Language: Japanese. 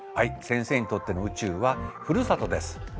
先生にとっての宇宙はふるさとです。